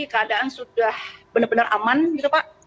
keadaan sudah benar benar aman gitu pak